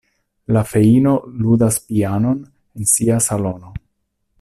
La feino ludas pianon en sia salono.